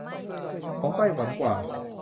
ของไต้หวันกว่า